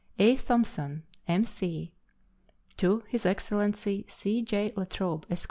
A. THOMSON, M.C. His Excellency C. J. La Trobe, Esq.